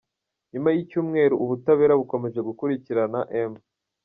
Nyuma y’icyumweru ubutabera bukomeje gukurikirana M.